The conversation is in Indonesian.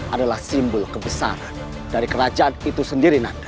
adalah simbol kebesaran dari kerajaan itu sendiri